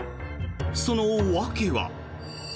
その訳は。